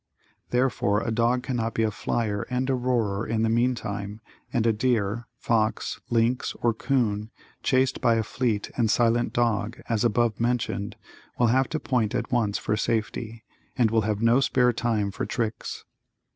Therefore, a dog cannot be a flyer and a roarer in the meantime, and a deer, fox, lynx or 'coon, chased by a fleet and silent dog as above mentioned, will have to point at once for safety, and will have no spare time for tricks.